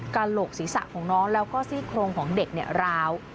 กระโหลกศีรษะของน้องแล้วก็ซี่โครงของเด็กร้าว